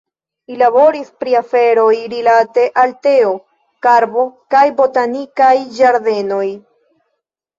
Li laboris pri aferoj rilate al teo, karbo kaj botanikaj ĝardenoj.